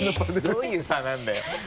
どういう差なんだよ